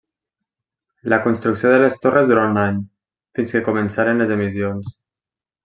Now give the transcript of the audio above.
La construcció de les torres durà un any, fins que començaren les emissions.